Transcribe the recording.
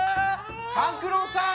・勘九郎さん。